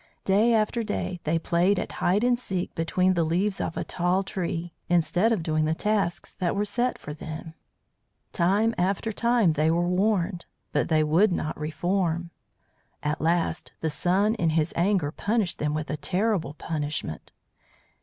Day after day they played at hide and seek between the leaves of a tall tree, instead of doing the tasks that were set for them. Time after time they were warned, but they would not reform; at last the Sun in his anger punished them with a terrible punishment.